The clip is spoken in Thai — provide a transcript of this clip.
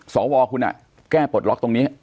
สวคุณแก้ปลดล็อกตรงนี้